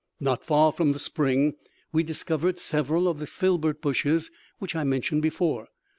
Not far from the spring we discovered several of the filbert bushes which I mentioned before.